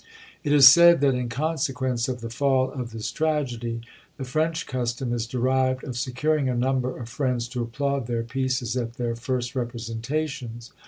It is said that, in consequence of the fall of this tragedy, the French custom is derived of securing a number of friends to applaud their pieces at their first representations.